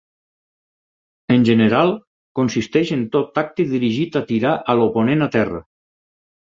En general, consisteix en tot acte dirigit a tirar a l'oponent a terra.